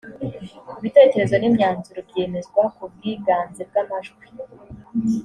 ibitekerezo n’imyanzuro byemezwa ku bw’iganze bw’amajwi